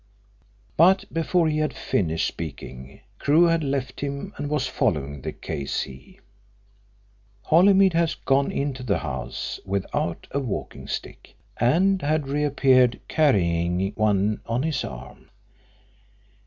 But before he had finished speaking Crewe had left him and was following the K.C. Holymead had gone into the house without a walking stick, and had reappeared carrying one on his arm.